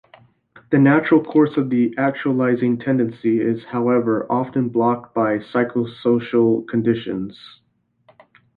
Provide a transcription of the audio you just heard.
The natural course of the actualising tendency is, however, often blocked by psychosocial conditions.